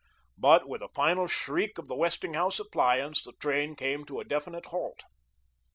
But with a final shriek of the Westinghouse appliance, the train came to a definite halt.